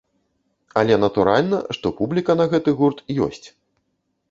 Але натуральна, што публіка на гэты гурт ёсць.